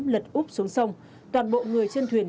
rơi xuống sông toàn bộ người trên thuyền